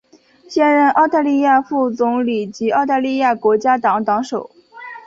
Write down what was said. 现任澳大利亚副总理及澳大利亚国家党党首。